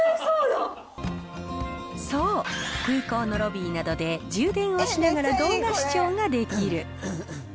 そう、空港のロビーなどで充電をしながら動画視聴ができる。